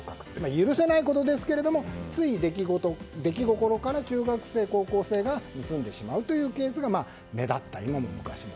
許せないことですがつい出来心から中学生、高校生が盗んでしまうケースが目立った、今も昔も。